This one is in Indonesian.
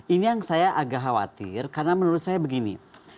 ini yang saya agak khawatir karena menurut saya begini